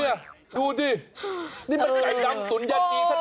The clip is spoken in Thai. นี่ดูสินี่มันไก่ดำตุ๋นยาจีน